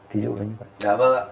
thí dụ như vậy